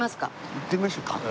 行ってみましょうか。